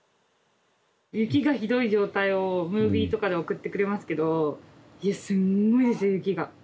雪がひどい状態をムービーとかで送ってくれますけどいやすんごいですよ雪が。